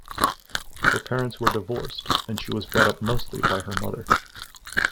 Her parents were divorced, and she was brought up mostly by her mother.